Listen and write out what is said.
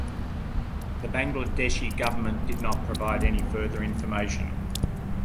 The Bangladeshi government did not provide any further information.